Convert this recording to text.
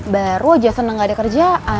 baru aja senang gak ada kerjaan